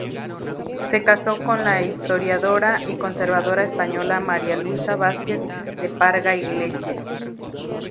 Se casó con la historiadora y conservadora española María Luisa Vázquez de Parga Iglesias.